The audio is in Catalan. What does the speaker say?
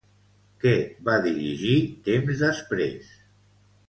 Què va dirigir temps després?